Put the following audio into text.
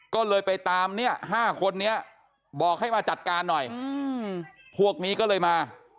ก็เลยไปตามเนี่ย๕คนนี้บอกให้มาจัดการหน่อยพวกนี้ก็เลยมา